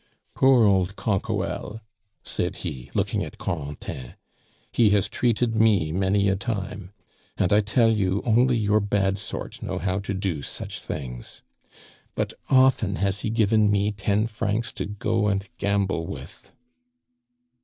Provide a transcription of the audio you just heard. "Poor old Canquoelle!" said he, looking at Corentin. "He has treated me many a time. And, I tell you, only your bad sort know how to do such things but often has he given me ten francs to go and gamble with..."